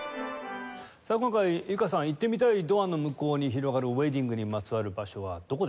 今回由佳さん行ってみたいドアの向こうに広がるウェディングにまつわる場所はどこですか？